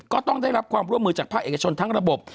ก็ต้องได้รับความร่วมมือจากภาคเอกชนทั้งระบบ